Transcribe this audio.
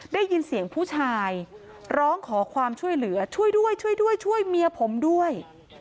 ได้ยินเสียงผู้ชายร้องขอความช่วยเหลือช่วยด้วยช่วยด้วยช่วยเมียผมด้วย